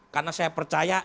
karena saya percaya